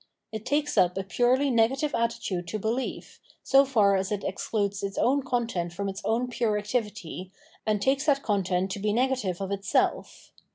It takes up a purely negative attitude to behef, so far as it excludes its own content from its own pure activity and takes that content to be negative of itself.